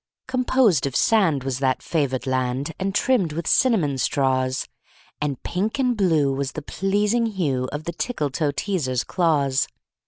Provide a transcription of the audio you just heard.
Composed of sand was that favored land, And trimmed with cinnamon straws; And pink and blue was the pleasing hue Of the Tickletoeteaser's claws.